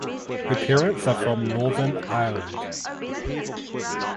Her parents are from Northern Ireland.